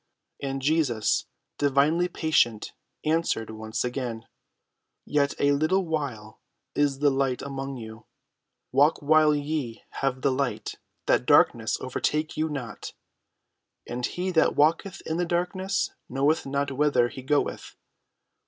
And Jesus, divinely patient, answered once again: "Yet a little while is the light among you. Walk while ye have the light, that darkness overtake you not: and he that walketh in the darkness knoweth not whither he goeth.